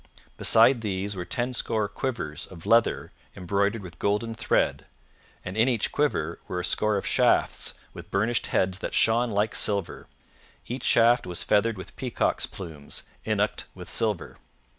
Beside these were tenscore quivers of leather embroidered with golden thread, and in each quiver were a score of shafts with burnished heads that shone like silver; each shaft was feathered with peacock's plumes, innocked with silver.